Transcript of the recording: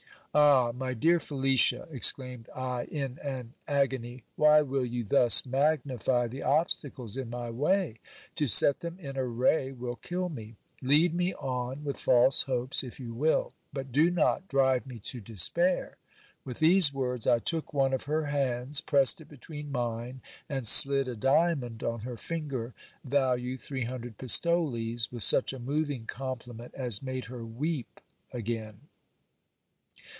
Ah ! my dear Felicia, exclaimed I in an agony, why will you thus magnify the obstacles in my way ? To set them in array will kill me. Lead me on with false hopes, if you will ; but do not drive me to despair. With these words I took one of her hands, pressed it between mine, and slid a diamond on her finger value three hundred pistoles, with such a moving compliment as made her weep again.